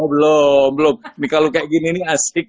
oh belum belum kalau kayak gini asik